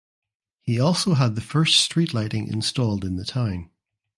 He also had the first street lighting installed in the town.